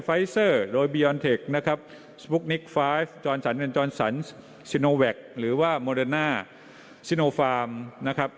ไฟซอร์โดยนะครับนี่หรือว่านะครับ